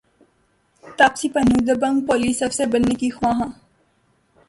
تاپسی پنو دبنگ پولیس افسر بننے کی خواہاں